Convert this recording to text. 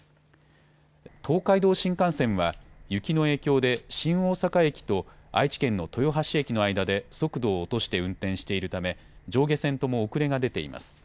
東海道新幹線は雪の影響で新大阪駅と愛知県の豊橋駅の間で速度を落として運転しているため上下線とも遅れが出ています。